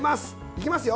いきますよ。